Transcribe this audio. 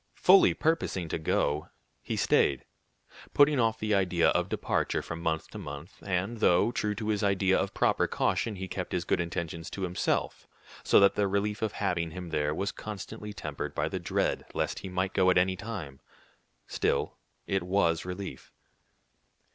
Fully purposing to go, he stayed, putting off the idea of departure from month to month; and though, true to his idea of proper caution, he kept his good intentions to himself, so that the relief of having him there was constantly tempered by the dread lest he might go at any time, still it was relief.